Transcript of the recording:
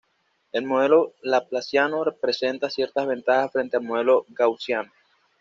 El modelo laplaciano presenta ciertas ventajas frente al modelo gaussiano.